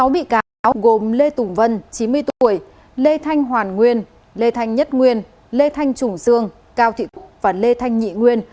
sáu bị cáo gồm lê tùng vân chín mươi tuổi lê thanh hoàn nguyên lê thanh nhất nguyên lê thanh trùng dương cao thị cúc và lê thanh nhị nguyên